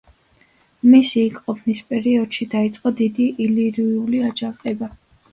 მისი იქ ყოფნის პერიოდში დაიწყო დიდი ილირიული აჯანყება.